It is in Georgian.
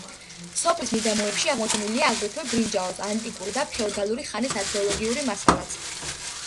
სოფლის მიდამოებში აღმოჩენილია აგრეთვე ბრინჯაოს, ანტიკური და ფეოდალური ხანის არქეოლოგიური მასალაც.